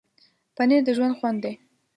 پنېر د ژوند خوند دی.